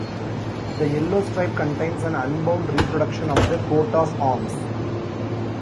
The yellow stripe contains an unbound reproduction of the coat of arms.